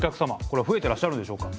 これは増えていらっしゃるでしょうか？